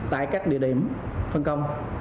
tại các địa điểm phân công